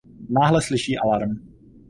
Náhle slyší alarm.